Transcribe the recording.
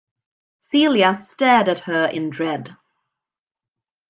Celia stared at her in dread.